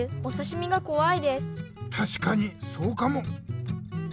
たしかにそうかも！